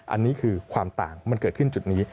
อันนี้คือความต่างมันเกิดขึ้นจุดนี้